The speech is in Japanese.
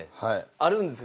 あるんですか？